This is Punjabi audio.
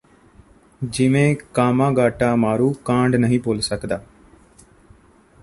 ਜਿਵੇਂ ਕਾਮਾਗਾਟਾਮਾਰੂ ਕਾਂਡ ਨਹੀਂ ਭੁੱਲ ਸਕਦਾ